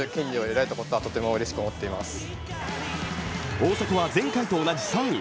大迫は前回と同じ３位。